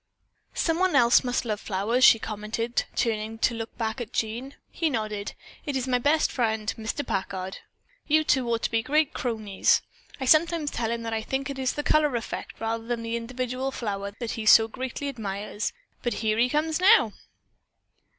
"Someone else must love flowers," she commented, turning to look back at Jean. He nodded. "It is my best friend, Mr. Packard. You two ought to be great cronies. I sometimes tell him that I think it is the color effect, rather than the individual flower, that he so greatly admires, but here he comes now."